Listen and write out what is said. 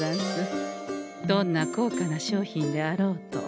どんな高価な商品であろうと。